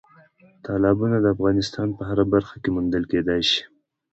تالابونه د افغانستان په هره برخه کې موندل کېدای شي.